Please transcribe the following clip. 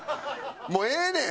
もうええねん！